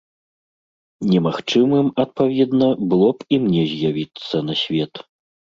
Немагчымым, адпаведна, было б і мне з'явіцца на свет.